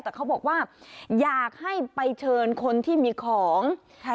แต่เขาบอกว่าอยากให้ไปเชิญคนที่มีของค่ะ